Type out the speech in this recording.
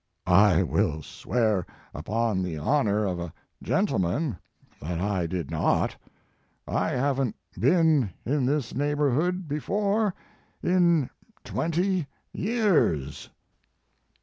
1< I will swear upon the honor of a gentleman that I did not. I haven t been in this neighborhood before in twenty years."